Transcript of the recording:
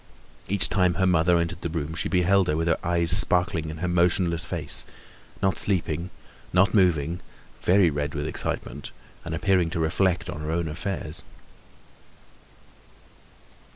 Each time her mother entered the room she beheld her with her eyes sparkling in her motionless face—not sleeping, not moving, very red with excitement, and appearing to reflect on her own affairs.